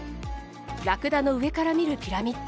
ラクダの上から見るピラミッド。